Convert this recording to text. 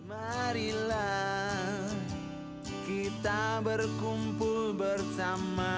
marilah kita berkumpul bersama